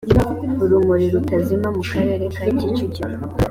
urumuri rutazima mu karere ka kicukiro